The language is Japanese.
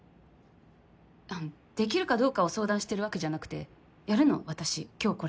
あのできるかどうかを相談してるわけじゃなくてやるの私今日これ。